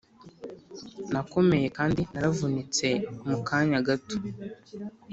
nakomeye kandi naravunitse mu kanya gato